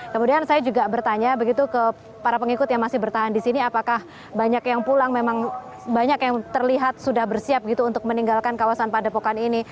kemudian saya juga bertanya begitu ke para pengikut yang masih bertahan di sini apakah banyak yang pulang memang banyak yang terlihat sudah bersiap gitu untuk meninggalkan kawasan padepokan ini